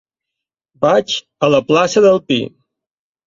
Vaig a la plaça del Pi.